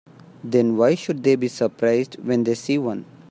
Then why should they be surprised when they see one?